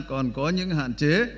còn có những hạn chế